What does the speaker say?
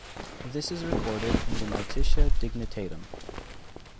This is recorded in the Notitia Dignitatum.